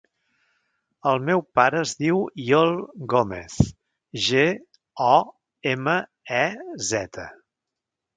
El meu pare es diu Iol Gomez: ge, o, ema, e, zeta.